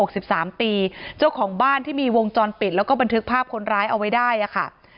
เจ้าของบ้านที่มีวงจรปิดแล้วก็บันทึกภาพคนร้ายเอาไว้ได้อ่ะค่ะ